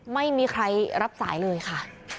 ไม่มีใครรับสายเลยค่ะ